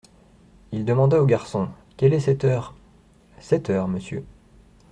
Il demanda au garçon : Quelle est cette heure ? Sept heures, monsieur.